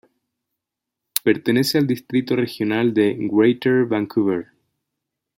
Pertenece al Distrito Regional de Greater Vancouver.